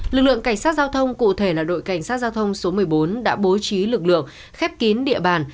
lực lượng cảnh sát giao thông cụ thể là đội cảnh sát giao thông số một mươi bốn đã bố trí lực lượng khép kín địa bàn